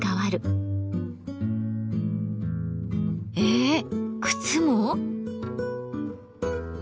えっ靴も？